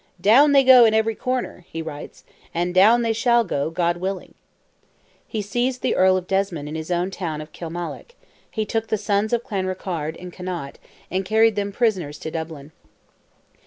"Down they go in every corner," he writes, "and down they shall go, God willing!" He seized the Earl of Desmond in his own town of Kilmallock; he took the sons of Clanrickarde, in Connaught, and carried them prisoners to Dublin.